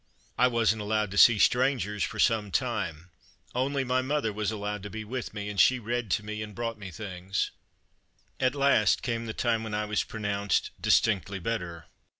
I wasn't allowed to see "strangers" for some time ; only my mother was allowed to be with me, and she read to me and brought me things. At last came the time when I was pro nounced "distinctly better."